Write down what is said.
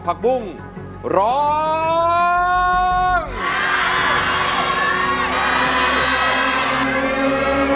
ผักบุ้งร้อง